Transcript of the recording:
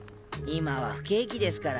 今は不景気ですから。